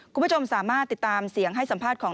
คุณผู้ชมสามารถติดตามเสียงให้สัมภาษณ์ของ